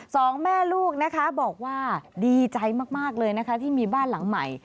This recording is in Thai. สองแม่ลูกนะคะบอกว่าดีใจมากเลยนะคะที่มีบ้านหลังใหม่